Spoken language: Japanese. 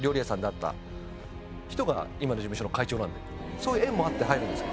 そういう縁もあって入るんですけど。